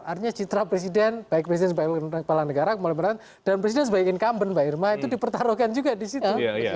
artinya citra presiden baik presiden kepala negara dan presiden sebagai incumbent mbak irma itu dipertaruhkan juga disitu